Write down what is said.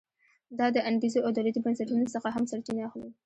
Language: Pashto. دا د انګېزو او دولتي بنسټونو څخه هم سرچینه اخلي.